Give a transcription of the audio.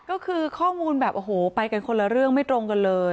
ก็คือข้อมูลแบบโอ้โหไปกันคนละเรื่องไม่ตรงกันเลย